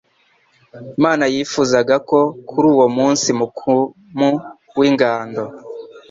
Imana yifuzaga ko kuri uwo munsi mukmu w'ingando,